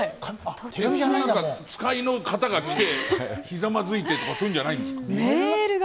遣いの方が来てひざまずいてとかそういうんじゃないんですか。